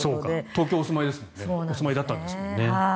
東京にお住まいだったんですもんね。